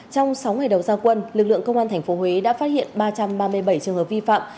trong sáu ngày đầu gia quân lực lượng công an tp huế đã phát hiện ba trăm ba mươi bảy trường hợp vi phạm